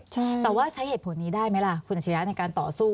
แต่ว่าใช้เหตุผลนี้ได้ไหมล่ะคุณอาชิริยะในการต่อสู้